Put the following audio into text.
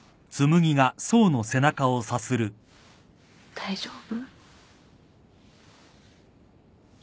大丈夫？